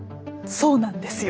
そうなんですよ。